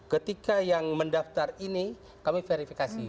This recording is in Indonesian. ketika yang mendaftar ini kami verifikasi